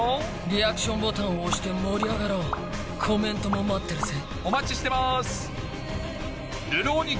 リアクションボタンを押して盛り上がろうコメントも待ってるぜお待ちしてます！